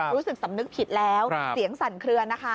รู้สึกสำนึกผิดแล้วเสียงสั่นเคลือนะคะ